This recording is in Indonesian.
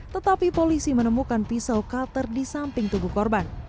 tetapi polisi menemukan pisau culter di samping tubuh korban